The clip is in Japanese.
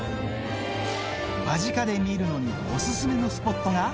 間近で見るのにお勧めのスポットが。